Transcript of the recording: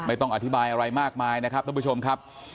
ไม่ต้องอธิบายอะไรมากมายนะครับท่านผู้ชมครับ